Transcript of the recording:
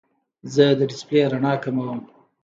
زه د ډیسپلې رڼا کموم.